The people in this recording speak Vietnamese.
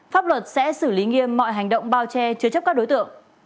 pháp luật sẽ xử lý nghiêm mọi hành động bao che chứa chấp các đối tượng